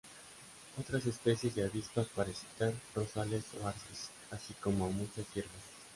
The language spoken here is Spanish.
Otras especies de avispas parasitan rosales o arces, así como a muchas hierbas.